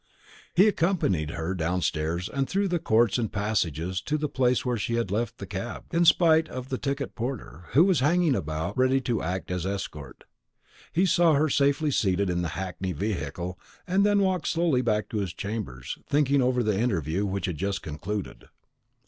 He accompanied her downstairs, and through the courts and passages to the place where she had left her cab, in spite of the ticket porter, who was hanging about ready to act as escort. He saw her safely seated in the hackney vehicle, and then walked slowly back to his chambers, thinking over the interview which had just concluded.